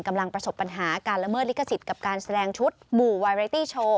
ประสบปัญหาการละเมิดลิขสิทธิ์กับการแสดงชุดหมู่ไวเรตี้โชว์